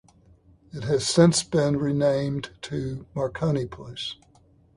It has since been renamed to Marconi plc.